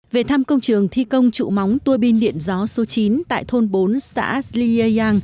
về thăm công trường thi công trụ móng tuôi bin điện gió số chín tại thôn bốn xã sliang